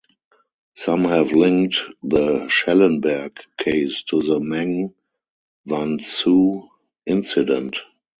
Some have linked the Schellenberg case to the Meng Wanzhou incident.